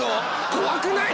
怖くない？